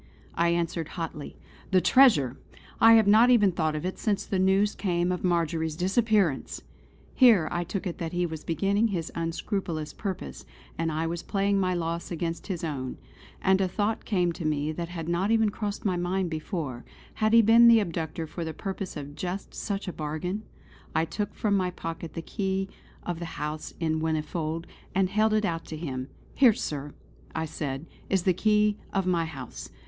I answered hotly: "The treasure! I have not even thought of it since the news came of Marjory's disappearance!" Here I took it that he was beginning his unscrupulous purpose, and was playing my loss against his own; and a thought came to me that had not even crossed my mind before had he been the abductor for the purpose of just such a bargain? I took from my pocket the key of the house in Whinnyfold and held it out to him. "Here Sir" I said "is the key of my house.